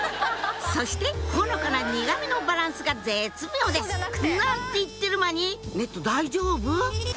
そしてほのかな苦味のバランスが絶妙ですなんて言ってる間にネット大丈夫？